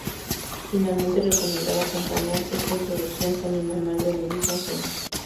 Finalmente recomendaba acompañar esta "Introducción" con el "Manual de budismo zen".